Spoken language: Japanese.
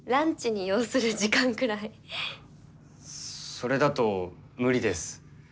それだと無理です。